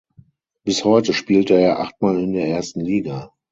Bis heute spielte er achtmal in der ersten Liga.